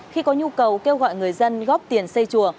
khi có nhu cầu kêu gọi người dân góp tiền xây chùa